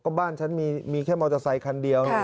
ก็บ้านฉันมีแค่มอเตอร์ไซคันเดียว